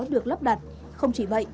được lắp đặt không chỉ vậy